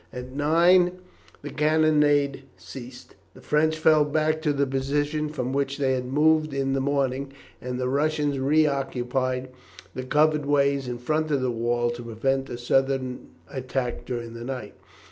At nine the cannonade ceased. The French fell back to the position from which they had moved in the morning, and the Russians reoccupied the covered ways in front of the wall to prevent a sudden attack during the night.